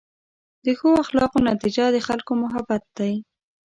د ښه اخلاقو نتیجه د خلکو محبت دی.